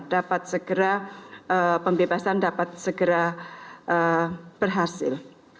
dapat segera pembebasan dapat segera berhasil